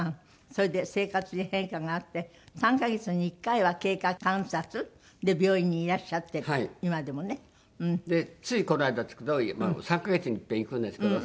それで生活に変化があって３カ月に１回は経過観察で病院にいらっしゃってると今でもね。でついこの間なんですけど３カ月にいっぺん行くんですけど。